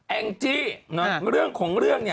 แองจี้เรื่องของเรื่องเนี่ย